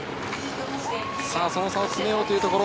その差を詰めようというところ。